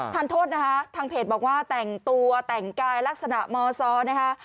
ทานโทษนะคะทางเพจบอกว่าแต่งตัวแต่งกายลักษณะมซนะคะ